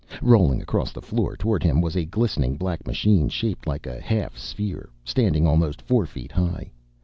Rolling across the floor toward him was a glistening black machine shaped like a half sphere, standing almost four feet high.